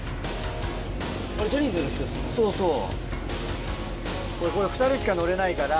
そうそう。